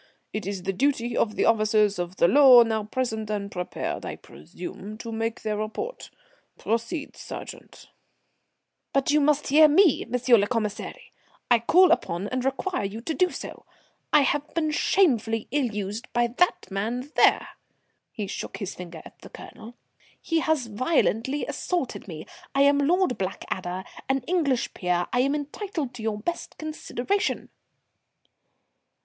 It is the duty of the officers of the law now present, and prepared, I presume, to make their report. Proceed, sergeant." "But you must hear me, M. le Commissary; I call upon and require you to do so. I have been shamefully ill used by that man there." He shook his finger at the Colonel. "He has violently assaulted me. I am Lord Blackadder, an English peer. I am entitled to your best consideration."